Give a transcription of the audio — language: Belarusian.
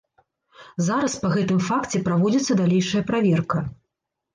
Зараз па гэтым факце праводзіцца далейшая праверка.